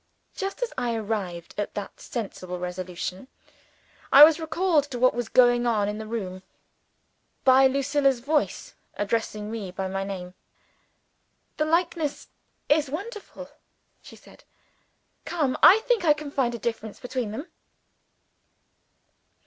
Just as I arrived at that sensible resolution, I was recalled to what was going on in the room, by Lucilla's voice, addressing me by my name. "The likeness is wonderful," she said. "Still, I think I can find a difference between them."